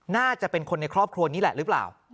น่าจะเป็นคนในครอบครัวนี้แหละหรือเปล่า